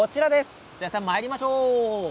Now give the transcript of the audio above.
数矢さん、まいりましょう。